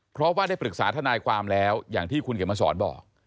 เพราะว่าได้ปรึกษาทนายความแล้วอย่างที่คุณเขียนมาสอนบอก